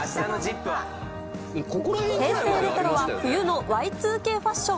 平成レトロは冬のＹ２Ｋファッション。